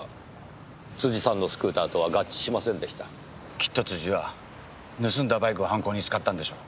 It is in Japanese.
きっと辻は盗んだバイクを犯行に使ったんでしょう。